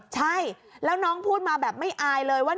ใช่แล้วน้องพูดมาแบบไม่อายเลยว่า